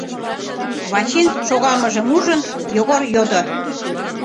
— Вачин шогалмыжым ужын, Йогор йодо.